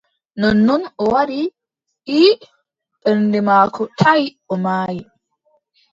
Nonnon o waɗi :« ii » ɓernde maako taʼi o maayi.